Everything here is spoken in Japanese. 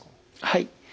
はい。